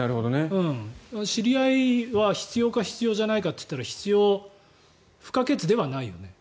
知り合いは必要か必要じゃないかといったら必要不可欠ではないよね。